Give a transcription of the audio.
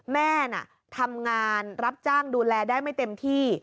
แม่น่ะทำงานรับจ้างดูแลได้ไม่เต็มที่